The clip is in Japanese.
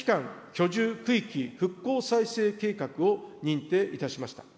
居住区域復興再生計画を認定いたしました。